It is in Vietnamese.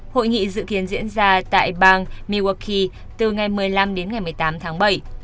hội nghị dự kiến diễn ra tại bang miwaki từ ngày một mươi năm đến ngày một mươi tám tháng bảy